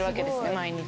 毎日。